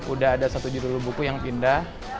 udah ada satu judul buku yang pindah